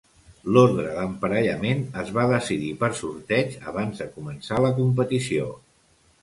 L'ordre d'emparellaments es va decidir per sorteig abans de començar la competició.